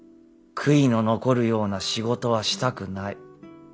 悔いの残るような仕事はしたくない。